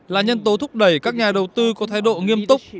là nhân tố thúc đẩy các nhà đầu tư có thái độ nghiêm túc